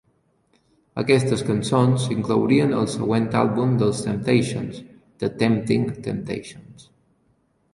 Aquestes cançons s'inclourien al següent àlbum dels "Temptations", "The Temptin' Temptations".